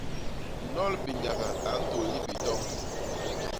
Nnol binyaga a ntôl ni bitoñ.